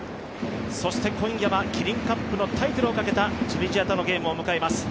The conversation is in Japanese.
そして今夜はキリンカップのタイトルをかけたチュニジアとのゲームを迎えます。